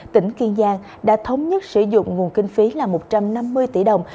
tỉnh kiên giang đã thống nhất sử dụng nguồn kinh phí là một trăm năm mươi tỷ đồng